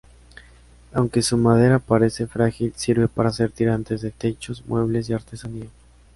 Aunque su madera parece frágil, sirve para hacer tirantes de techos, muebles y artesanías.